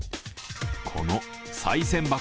このさい銭箱